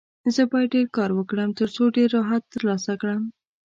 زه باید ډېر کار وکړم، ترڅو ډېر راحت ترلاسه کړم.